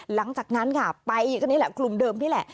หลังจากนั้นค่ะไปก็นี่แหละกลุ่มเดิมนี่แหละ